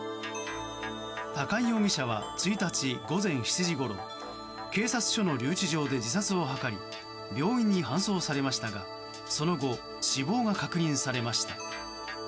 高井容疑者は、１日午前７時ごろ警察署の留置場で自殺を図り病院に搬送されましたがその後、死亡が確認されました。